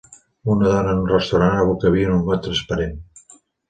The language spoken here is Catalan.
Una dona en un restaurant aboca vi en un got transparent.